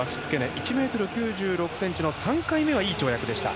１ｍ９６ｃｍの３回目はいい跳躍でした。